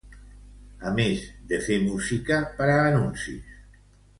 A més de fer música per a anuncis.